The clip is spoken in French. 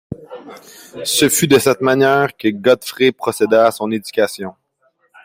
Ce fut de cette manière que Godfrey procéda à son éducation.